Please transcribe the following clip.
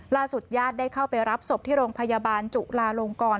ญาติได้เข้าไปรับศพที่โรงพยาบาลจุลาลงกร